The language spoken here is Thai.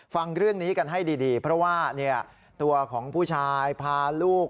ฟังเรื่องนี้กันให้ดีเพราะว่าตัวของผู้ชายพาลูก